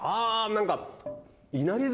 何か。